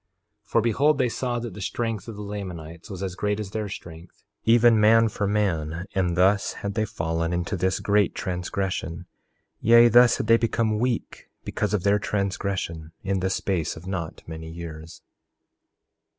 4:26 For behold, they saw that the strength of the Lamanites was as great as their strength, even man for man. And thus had they fallen into this great transgression; yea, thus had they become weak, because of their transgression, in the space of not many years.